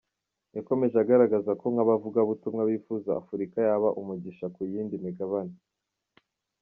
Yakomeje agaragaza ko nk’abavugabutumwa bifuza ko Afurika yaba umugisha ku yindi migabane.